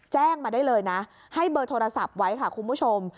แจ้งมาได้เลยนะให้เบอร์โทรศัพท์ไว้ค่ะคุณผู้ชม